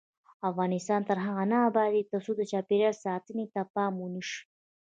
افغانستان تر هغو نه ابادیږي، ترڅو د چاپیریال ساتنې ته پام ونشي.